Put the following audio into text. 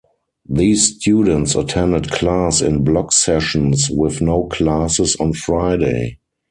These students attended class in block sessions with no classes on Friday.